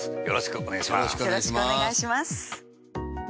よろしくお願いします。